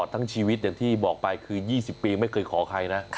ทั้งชีวิตอย่างที่บอกไปคือ๒๐ปีไม่เคยขอใครนะ